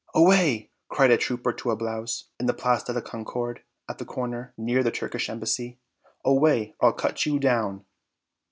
"Away," cried a trooper to a blouse, in the Place de la Concorde, at the corner, near the Turkish Embassy; "Away, or I'll cut you down!"